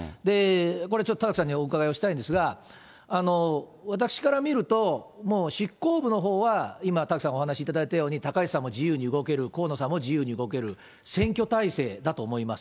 これちょっと、田崎さんにお伺いをしたいんですが、私から見ると、もう執行部のほうは、今、田崎さんがお話しいただいたように、高市さんも自由に動ける、河野さんも自由に動ける、選挙態勢だと思います。